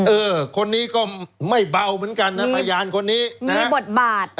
เออคนนี้ก็ไม่เบาเหมือนกันนะพยานคนนี้มีบทบาท